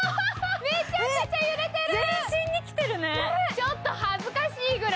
ちょっと恥ずかしいぐらい。